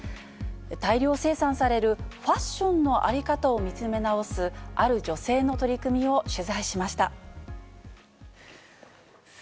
大量生産されるファッションの在り方を見つめ直す、ある女性の取り組みを取材しました。